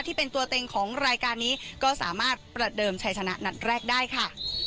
ที่เป็นตัวเต็งของรายการนี้ก็สามารถประเดิมชัยชนะนัดแรกได้ค่ะ